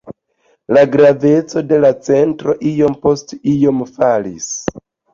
La graveco de la centro iom post iom falis.